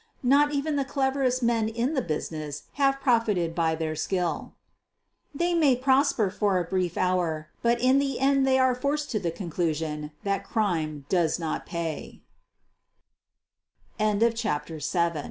Not even the cleverest men in the business have profited by their skill. They may prosper for a brief hour, but in the end they are forced to tke conclusion that ceime does not pa